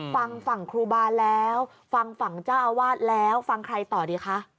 ฟังฝั่งครูบาแล้วฟังฝั่งเจ้าอาวาสแล้วฟังใครต่อดีคะ